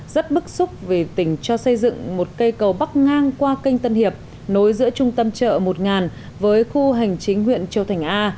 rất bức xúc về tỉnh cho xây dựng một cây cầu bắc ngang qua kênh tân hiệp nối giữa trung tâm chợ một với khu hành chính huyện châu thành a